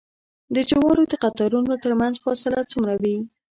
د جوارو د قطارونو ترمنځ فاصله څومره وي؟